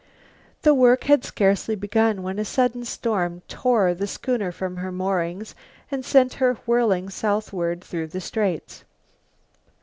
The work had scarcely begun when a sudden storm tore the schooner from her moorings and sent her whirling southward through the straits.